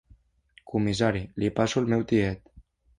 Comissari, li passo el meu tiet.